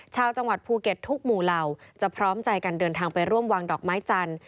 ชาวจังหวัดภูเก็ตทุกหมู่เหล่าจะพร้อมใจกันเดินทางไปร่วมวางดอกไม้จันทร์